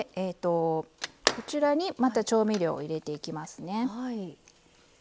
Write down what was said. こちらにまた調味料を入れていきますね。